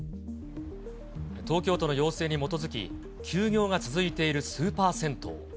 東京都の要請に基づき、休業が続いているスーパー銭湯。